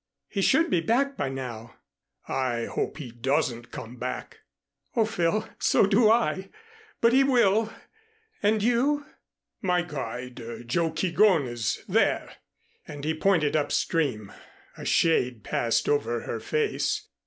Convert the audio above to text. "He should be back by now." "I hope he doesn't come back." "Oh, Phil, so do I but he will. And you?" "My guide, Joe Keegón, is there," and he pointed upstream. A shade passed over her face.